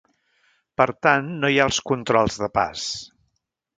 Per tant, no hi ha els controls de pas.